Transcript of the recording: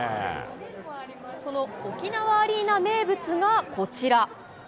その沖縄アリーナ名物がこちら。